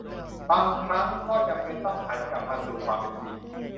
บางครั้งก็จำเป็นต้องหันกลับมาสู่ความเป็นจริง